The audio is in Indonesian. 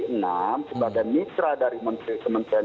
sebagai mitra dari menteri menteri bunn